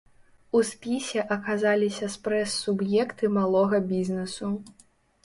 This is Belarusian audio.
У спісе аказаліся спрэс суб'екты малога бізнэсу.